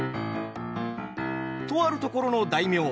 とあるところの大名。